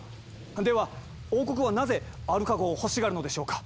では王国はなぜアルカ号を欲しがるのでしょうか？